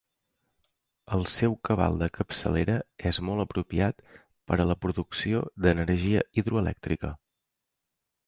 El seu cabal de capçalera és molt aprofitat per a la producció d'energia hidroelèctrica.